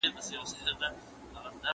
مور له زامنو څخه پټیږي